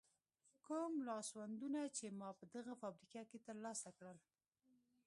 کوم لاسوندونه چې ما په دغه فابریکه کې تر لاسه کړل.